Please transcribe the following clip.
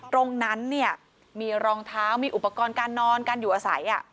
ตรงนั้นเนี่ยมีรองเท้ามีอุปกรณ์การนอนการอยู่อาศัย